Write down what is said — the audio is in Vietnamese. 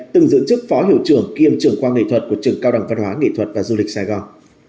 từng giữ chức phó hiệu trưởng kiêm trưởng khoa nghệ thuật của trường cao đẳng văn hóa nghệ thuật và du lịch sài gòn